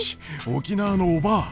沖縄のおばぁ！